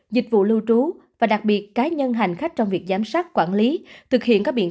dịch vụ lưu trú và đặc biệt cá nhân hành khách trong việc giám sát quản lý thực hiện các biện pháp